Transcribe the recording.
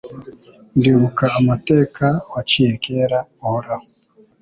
Ndibuka amateka waciye kera Uhoraho